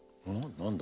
何だ？